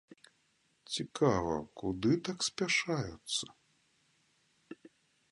Цікава, куды так спяшаюцца?